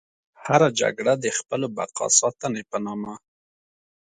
هره جګړه د خپلو بقا ساتنې په نامه.